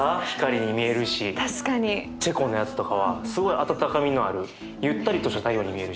チェコのやつとかはすごい温かみのあるゆったりとした太陽に見えるし。